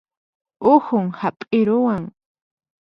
Uhun hap'iruwan